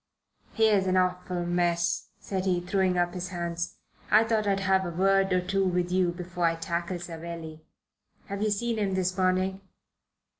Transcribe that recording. "Here's an awful mess," said he, throwing up his hands. "I thought I'd have a word or two with you before I tackle Savelli. Have you seen him this morning?"